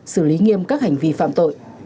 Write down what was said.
xử lý nghiêm các hành vi phạm tội